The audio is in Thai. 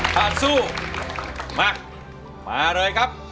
ถ้าสู้มามาเลยครับ